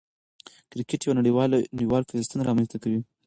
کرکټ یو نړۍوال پیوستون رامنځ ته کوي.